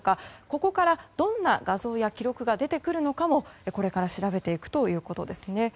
ここから、どんな画像や記録が出てくるのかもこれから調べていくということですね。